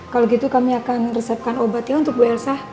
kalau gitu kami akan resepkan obatnya untuk bu elsa